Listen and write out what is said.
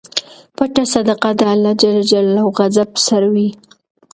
پټه صدقه د اللهﷻ غضب سړوي.